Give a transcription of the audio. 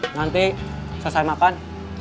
nanti selesai makan